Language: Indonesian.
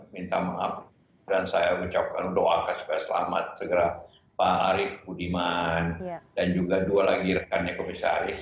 minta maaf dan saya ucapkan doakan supaya selamat segera pak arief budiman dan juga dua lagi rekannya komisaris